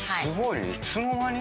いつの間に？